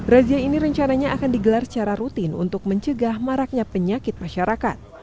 razia ini rencananya akan digelar secara rutin untuk mencegah maraknya penyakit masyarakat